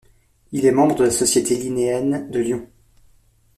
Il est un membre de la Société linnéenne de Lyon.